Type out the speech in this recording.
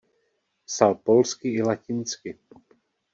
Psal polsky i latinsky.